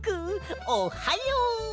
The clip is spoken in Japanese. おっはよう！